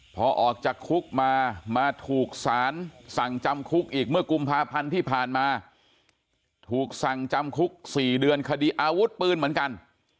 พอออกจากคุกมามาถูกสารสั่งจำคุกอีกเมื่อกุมภาพันธ์ที่ผ่านมาถูกสั่งจำคุก๔เดือนคดีอาวุธปืนเหมือนกัน